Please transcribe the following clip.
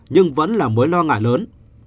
nhưng vẫn là mối lo ngại lớn